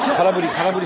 空振り。